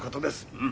うん。